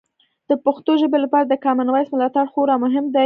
د پښتو ژبې لپاره د کامن وایس ملاتړ خورا مهم دی.